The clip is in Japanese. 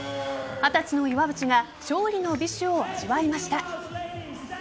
二十歳の岩渕が勝利の美酒を味わいました。